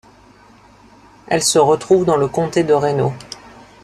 Elle se trouve dans le comté de Reno.